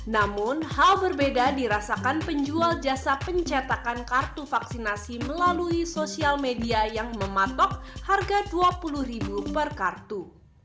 namun hal berbeda dirasakan penjual jasa pencetakan kartu vaksinasi melalui sosial media yang mematok harga rp dua puluh per kartu